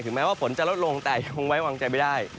แม้ว่าฝนจะลดลงแต่ยังไว้วางใจไม่ได้